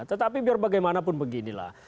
tetapi biar bagaimanapun beginilah